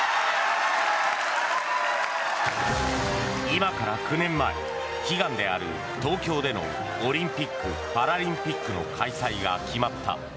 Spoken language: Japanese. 今から９年前、悲願である東京でのオリンピック・パラリンピックの開催が決まった。